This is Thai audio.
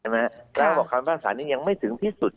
แล้วความภาษานี้ยังไม่ถึงที่สุด